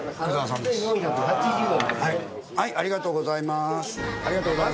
ありがとうございます。